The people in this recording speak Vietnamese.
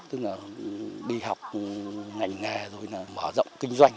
tức là đi học ngành nghề rồi là mở rộng kinh doanh